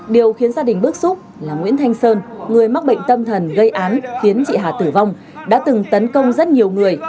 điều khiến gia đình bức xúc là nguyễn thanh sơn người mắc bệnh tâm thần gây án khiến chị hà tử vong đã từng tấn công rất nhiều người